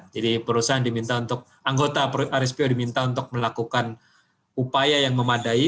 jadi perusahaan diminta untuk anggota rspo diminta untuk melakukan upaya yang memadai